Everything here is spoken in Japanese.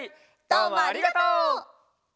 どうもありがとう！